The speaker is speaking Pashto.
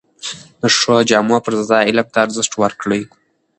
د ښو جامو پر ځای علم ته ارزښت ورکړئ!